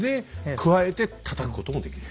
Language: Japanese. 加えてたたくこともできると。